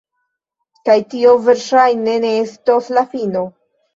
Kaj tio, verŝajne, ne estos la fino.